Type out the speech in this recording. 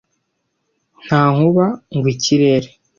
Nta nkuba, ngo ikirere